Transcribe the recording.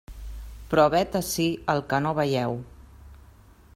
Però vet ací el que no veieu.